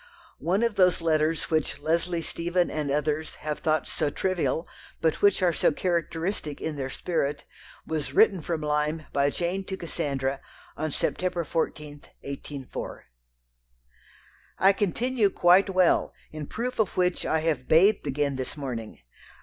One of those letters which Leslie Stephen and others have thought so "trivial," but which are so characteristic in their spirit, was written from Lyme by Jane to Cassandra, on September 14, 1804 "I continue quite well; in proof of which I have bathed again this morning.....